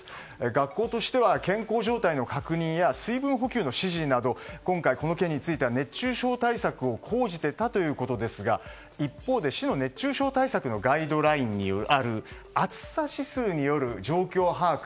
学校としては健康状態の確認や水分補給の指示など今回、この件については熱中症対策を講じていたということですが一方で市の熱中症対策のガイドラインにある暑さ指数による状況把握